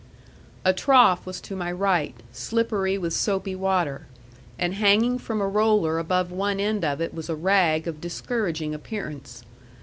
A trough was to my right, slippery with soapy water; and hanging from a roller above one end of it was a rag of discouraging appearance.